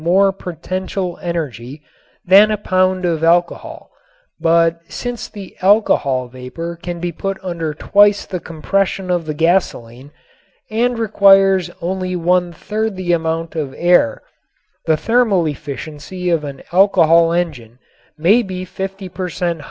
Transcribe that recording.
more potential energy than a pound of alcohol, but since the alcohol vapor can be put under twice the compression of the gasoline and requires only one third the amount of air, the thermal efficiency of an alcohol engine may be fifty per cent.